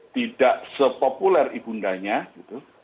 tidak sepopuler ibundanya gitu